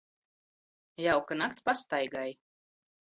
Jauka nakts pastaigai.